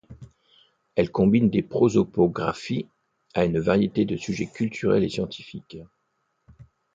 Elle combine des prosopographies à une variété de sujets culturels et scientifiques.